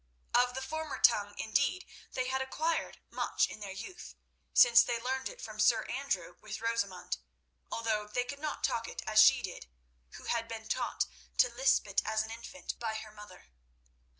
Of the former tongue, indeed, they had acquired much in their youth, since they learned it from Sir Andrew with Rosamund, although they could not talk it as she did, who had been taught to lisp it as an infant by her mother.